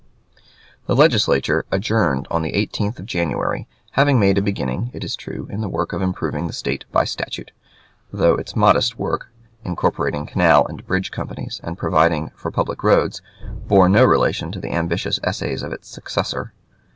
] The Legislature adjourned on the 18th of January, having made a beginning, it is true, in the work of improving the State by statute, though its modest work, incorporating canal and bridge companies and providing for public roads, bore no relation to the ambitious essays of its successor.